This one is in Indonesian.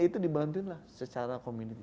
itu dibantuinlah secara community